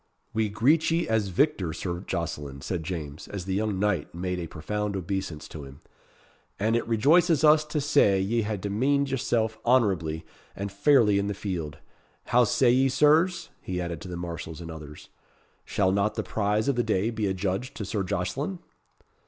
"We greet ye as victor, Sir Jocelyn," said James, as the young knight made a profound obeisance to him; "and it rejoices us to say ye hae demeaned yourself honourably and fairly in the field. How say ye, Sirs?" he added to the marshals and others. "Shall not the prize of the day be adjudged to Sir Jocelyn?"